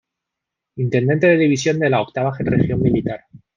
Intendente de División de la Octava Región Militar.